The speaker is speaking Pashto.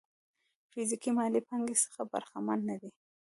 فزيکي مالي پانګې څخه برخمن نه دي.